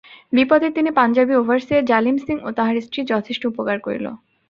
বিপদের দিনে পাঞ্জাবী ওভারসিয়ার জালিম সিং ও তাহার স্ত্রী যথেষ্ট উপকার করিল।